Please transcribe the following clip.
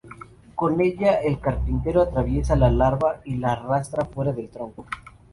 Con ella el carpintero atraviesa la larva y la arrastra fuera del tronco.